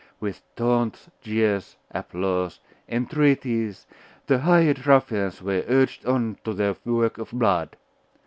With taunts, jeers, applause, entreaties, the hired ruffians were urged on to their work of blood.